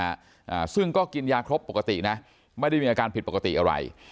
อ่าซึ่งก็กินยาครบปกตินะไม่ได้มีอาการผิดปกติอะไร